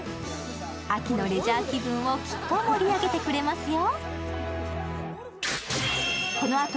秋のレジャー気分をきっと盛り上げてくれますよ。